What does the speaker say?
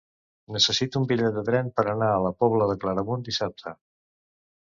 Necessito un bitllet de tren per anar a la Pobla de Claramunt dissabte.